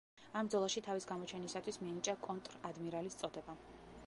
ამ ბრძოლაში თავის გამოჩენისათვის მიენიჭა კონტრ-ადმირალის წოდება.